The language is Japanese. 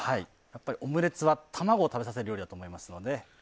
やっぱりオムレツは卵を食べさせる料理だと思いますので。